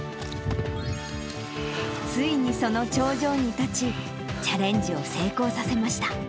ついにその頂上に立ち、チャレンジを成功させました。